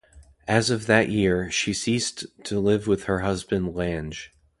As of that year, she ceased to live with her husband Lange.